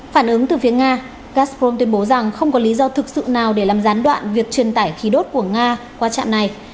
phản ứng từ phía nga gazprom tuyên bố rằng không có lý do thực sự nào để làm gián đoạn việc truyền tải khí đốt của nga qua trạm này